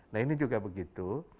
nah ini juga begitu